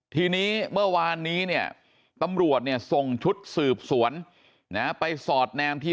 ทีนี้เมื่อวานนี้เนี่ยตำรวจเนี่ยส่งชุดสืบสวนไปสอดแนมที่